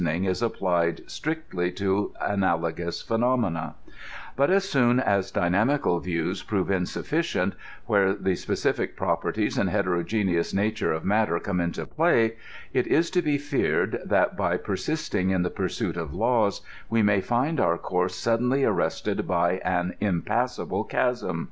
ing is applied strictly to analogous phenomena ; but as soon as dynamical views prove insufficient where the specific prop erties and heterogeneous nature of matter come into play, it is to be feared that, by persisting in the pursuit of laws, we xaay iind our course suddenly arrested by an impassable chasm.